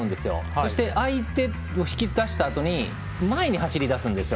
そして、相手を引き出したあとに前に走りだすんですよ。